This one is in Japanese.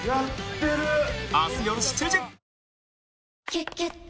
「キュキュット」